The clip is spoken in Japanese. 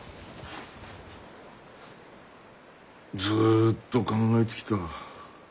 ずっと考えてきた。